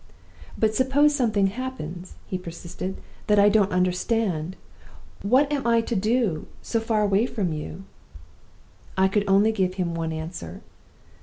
'But suppose something happens,' he persisted, 'that I don't understand, what am I to do, so far away from you?' I could only give him one answer.